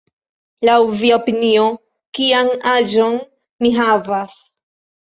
Laŭ via opinio, kian aĝon mi havas?